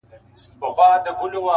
هره تجربه د درک نوی رنګ لري!.